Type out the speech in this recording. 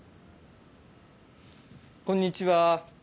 こんにちは。